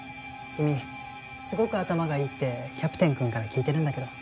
君すごく頭がいいってキャプテンくんから聞いてるんだけど。